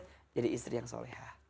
menjadi istri yang solehah